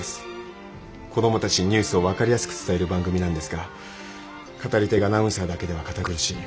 子どもたちにニュースを分かりやすく伝える番組なんですが語り手がアナウンサーだけでは堅苦しい。